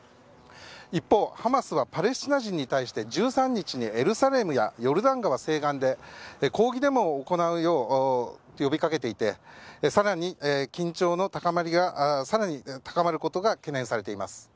一方、ハマスはパレスチナ人に対して１３日にエルサレムやヨルダン川で抗議デモを行うよう呼びかけていて緊張が更に高まることが懸念されています。